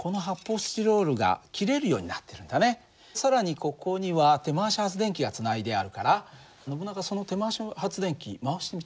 更にここには手回し発電機がつないであるからノブナガその手回し発電機回してみて。